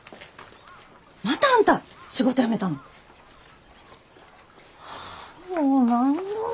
またあんた仕事辞めたの？はあもう何度目。